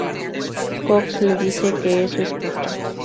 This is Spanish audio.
Cox le dice que eso es justo.